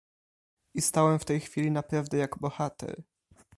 "I stałem w tej chwili naprawdę jak bohater."